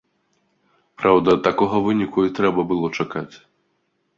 Праўда, такога выніку і трэба было чакаць.